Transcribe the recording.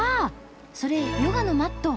それヨガのマット。